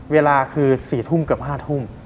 เวลาคือ๔ทุ่มเกือบ๕ทุ่ม